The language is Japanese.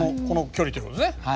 この距離ということですね。